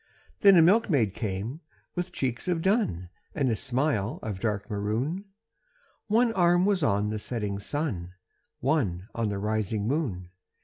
Then a milkmaid came with cheeks of dun And a smile of dark maroon, One arm was on the setting sun, One on the rising moon.